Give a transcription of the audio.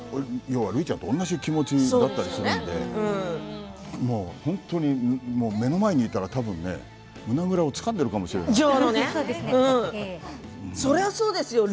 要はるいちゃんと同じ気持ちだったりするので本当に目の前にいたらたぶんね胸ぐらをつかんでいるかもしれない。